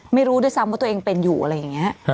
ไม่รู้ด้วยซ้ำว่าตัวเองเป็นอยู่อะไรอย่างนี้